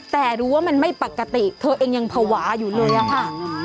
แต่รู้ว่ามันไม่ปกติเธอเองยังภาวะอยู่เลยอะค่ะ